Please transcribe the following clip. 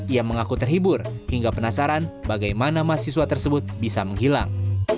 ia mengaku terhibur hingga penasaran bagaimana mahasiswa tersebut bisa menghilang